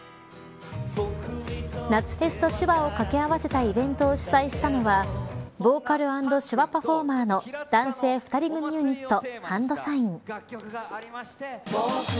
夏フェスと手話を掛け合わせたイベントを主催したのはボーカル＆手話パフォーマーの男性２人組ユニットＨＡＮＤＳＩＧＮ。